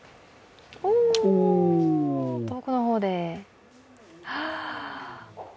おお遠くの方で。